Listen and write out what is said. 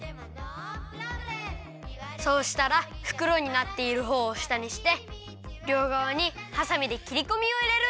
そうしたらふくろになっているほうをしたにしてりょうがわにはさみできりこみをいれる！